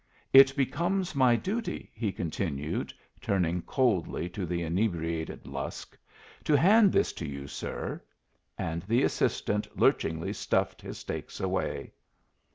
It becomes my duty," he continued, turning coldly to the inebriated Lusk, "to hand this to you, sir." And the assistant lurchingly stuffed his stakes away.